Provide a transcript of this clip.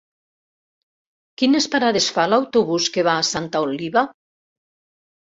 Quines parades fa l'autobús que va a Santa Oliva?